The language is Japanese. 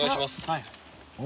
はい。